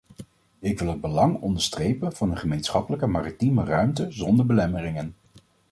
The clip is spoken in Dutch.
Ik wil het belang onderstrepen van een gemeenschappelijke maritieme ruimte zonder belemmeringen.